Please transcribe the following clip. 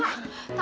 eh enak juga